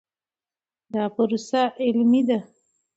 دا پروسه علمي ده.